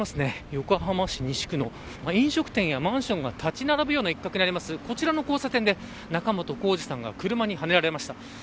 横浜市西区の飲食店やマンションが立ち並ぶ一角にあるこちらの交差点で仲本工事さんが車にはねられました。